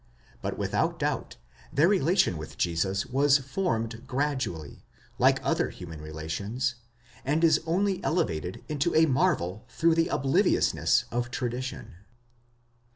But without doubt, their relation with Jesus was formed gradually, like other human relations, and is only elevated into a marvel through the obliviousness of tradition.